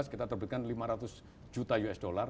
dua ribu sembilan belas kita terbitkan lima ratus juta usd